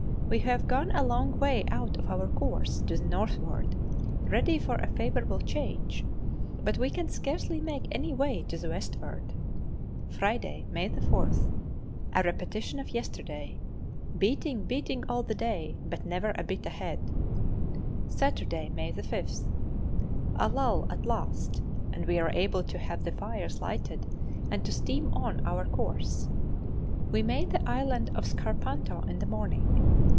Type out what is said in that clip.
We have gone a long way out of our course to the northward, ready for a favourable change, but we can scarcely make any way to the westward. Friday, May 4th. A repetition of yesterday , Beating, beating all the day, But never a bit ahead. Saturday, May 5th. A lull at last, and we are able to have the fires lighted and to steam on our course. We made the Island of Scarpanto in the morning.